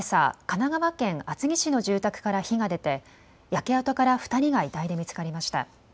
神奈川県厚木市の住宅から火が出て焼け跡から２人が遺体で見つかりました。